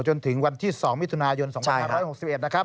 จนถึงวันที่๒มิถุนายน๒๕๖๑นะครับ